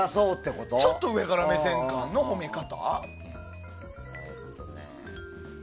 ちょっと上から目線の褒め方。